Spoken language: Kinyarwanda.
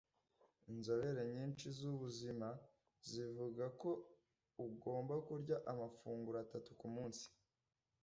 Inzobere nyinshi zubuzima zivuga ko ugomba kurya amafunguro atatu kumunsi.